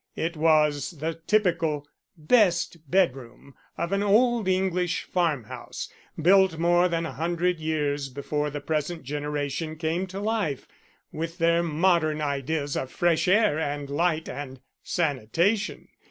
It was the typical "best bedroom" of an old English farm house, built more than a hundred years before the present generation came to life, with their modern ideas of fresh air and light and sanitation.